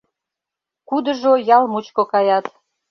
Кудыжо ял мучко каят.